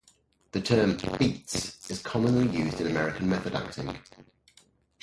The term "beats" is commonly used in American method acting.